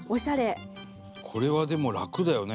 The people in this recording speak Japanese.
これはでも楽だよね。